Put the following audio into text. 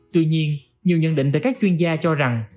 tuy nhiên nhiều nhận định từ các chuyên gia cho rằng